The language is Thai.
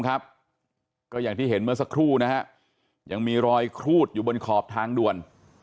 ก็อย่างที่เห็นเมื่อสักครู่นะฮะยังมีรอยครูดอยู่บนขอบทางด่วน